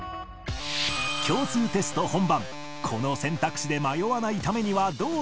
共通テスト本番この選択肢で迷わないためにはどうすればいいのか？